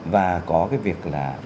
và có cái việc là